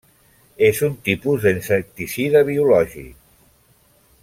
És un tipus d'insecticida biològic.